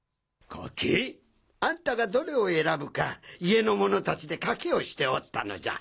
賭け？あんたがどれを選ぶか家の者達で賭けをしておったのじゃ。